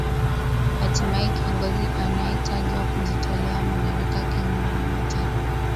hatimaye kiongozi anaetajwa kujitolea madaraka kinyume na matakwa